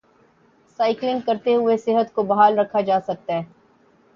cycling کرتے ہوئے صحت کو بحال رکھا جا سکتا ہے